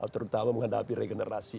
terutama menghadapi regenerasi